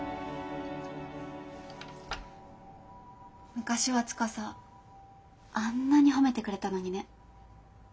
昔は司あんなに褒めてくれたのにね。